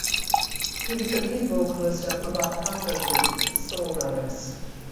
He was the lead vocalist of Mbaqanga group The Soul Brothers.